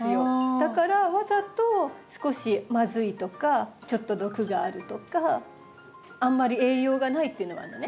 だからわざと少しまずいとかちょっと毒があるとかあんまり栄養がないっていうのもあるのね。